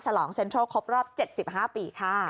ลองเซ็นทรัลครบรอบ๗๕ปีค่ะ